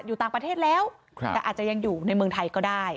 อยู่ต่างประเทศแล้วแต่อาจจะยังอยู่ในเมืองไทยก็ได้